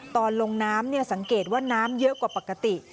ตอนลงน้ำสังเกตว่าน้ำเยอะกว่าปกติ